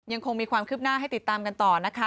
ยังคงมีความคืบหน้าให้ติดตามกันต่อนะคะ